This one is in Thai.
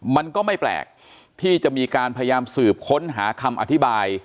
มันก็ไม่แปลกที่จะมีการพยายามสืบค้นหาคำอธิบาย